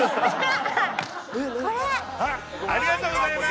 ありがとうございます！